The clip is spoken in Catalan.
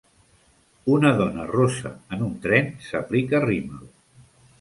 Una dona rossa en un tren s'aplica rímel.